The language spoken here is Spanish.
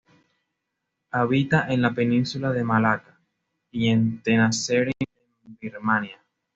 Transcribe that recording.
Habita en la Península de Malaca y en Tenasserim en Birmania.